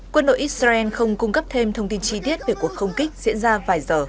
quân đội israel không cung cấp thêm thông tin chi tiết về cuộc không kích diễn ra vài giờ